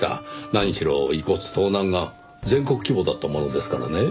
何しろ遺骨盗難が全国規模だったものですからね。